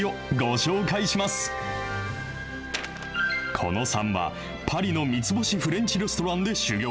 孤野さんは、パリの三ツ星フレンチレストランで修行。